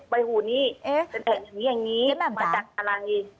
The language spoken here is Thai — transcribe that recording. ไปหูนี้ตรงนี้อย่างนี้ยังเป็นประมาณกลางงี้